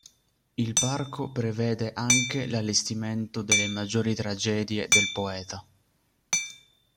Il parco prevede anche l'allestimento delle maggiori tragedie del poeta.